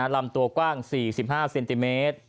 ลำตัวกว้าง๔๕เซนติเมตร